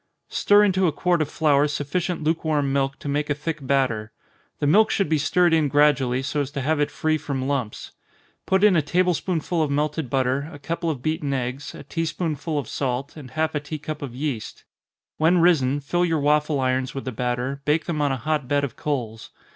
_ Stir into a quart of flour sufficient lukewarm milk to make a thick batter. The milk should be stirred in gradually, so as to have it free from lumps. Put in a table spoonful of melted butter, a couple of beaten eggs, a tea spoonsful of salt, and half a tea cup of yeast. When risen, fill your waffle irons with the batter, bake them on a hot bed of coals.